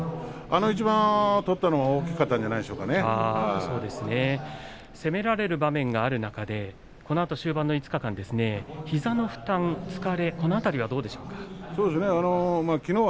あの一番を取ったのは攻められる場面がある中でこのあと終盤の５日間膝の負担や疲れはどうでしょう。